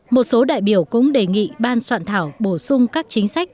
một số đại biểu cũng đề nghị ban soạn thảo bổ sung các chính sách